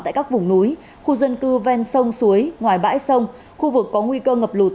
tại các vùng núi khu dân cư ven sông suối ngoài bãi sông khu vực có nguy cơ ngập lụt